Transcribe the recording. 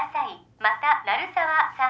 また鳴沢さん